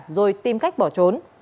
rồi tìm cách bỏ trốn